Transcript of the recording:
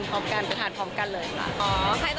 ชาติ